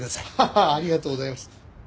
ありがとうございます。